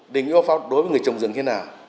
định yêu pháp đối với người trồng rừng thế nào